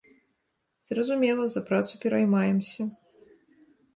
Зразумела, за працу пераймаемся.